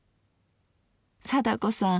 貞子さん